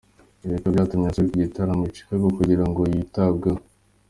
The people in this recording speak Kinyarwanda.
Ibi bikaba byatumye asubizwa igitaraganya I chicago kugirango yitabweho.